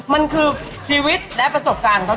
มันคือชีวิตและประสบความจำนะครับ